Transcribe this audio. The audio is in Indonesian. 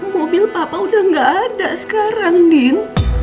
mobil papa udah gak ada sekarang din